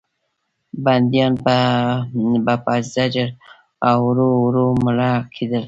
بندیان به په زجر او ورو ورو مړه کېدل.